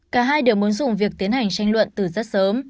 cả hai đều muốn dùng việc tiến hành tranh luận từ rất sớm